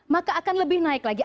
maka akan lebih naik lagi